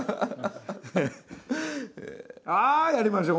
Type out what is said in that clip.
「ああやりましょう。